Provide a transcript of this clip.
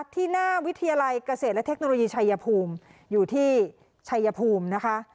ที่หน้าวิทยาลัยเกษตรและเทคโนโลยีชัยภูมิอยู่ที่ชัยภูมินะคะ